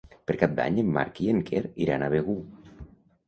Per Cap d'Any en Marc i en Quer iran a Begur.